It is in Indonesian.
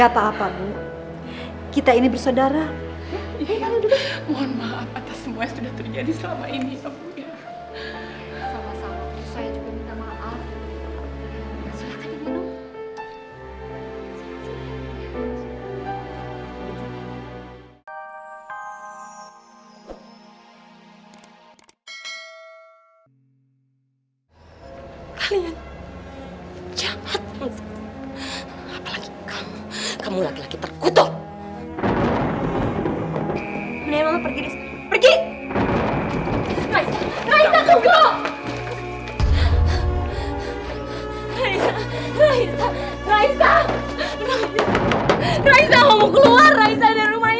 raisa aku mau keluar dari rumah ini raisa